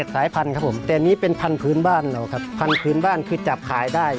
สายพันธุ์ครับผมแต่อันนี้เป็นพันธุ์พื้นบ้านเราครับพันธุ์บ้านคือจับขายได้